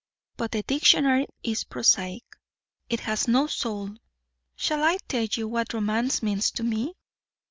But the dictionary is prosaic, it has no soul. Shall I tell you what romance means to me?